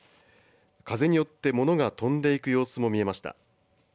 風によって物が飛んでいく様子も見えました。